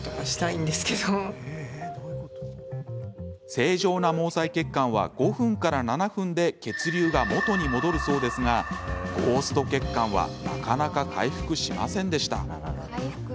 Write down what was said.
正常な毛細血管は５分から７分で血流が元に戻るそうですがゴースト血管はなかなか回復しませんでした。